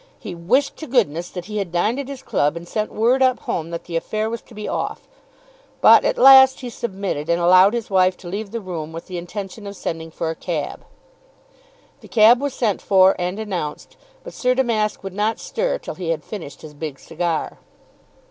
He "wished to goodness" that he had dined at his club and sent word up home that the affair was to be off. But at last he submitted, and allowed his wife to leave the room with the intention of sending for a cab. The cab was sent for and announced, but Sir Damask would not stir till he had finished his big cigar.